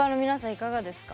いかがですか？